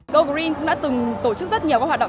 go green cũng đã từng tổ chức rất nhiều hoạt động